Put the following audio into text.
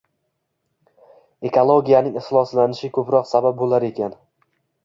Ekologiyaning ifloslanishi koʻproq sabab boʻlar ekan